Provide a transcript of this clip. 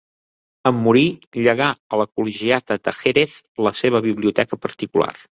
En morir, llegà a la col·legiata de Jerez la seva biblioteca particular.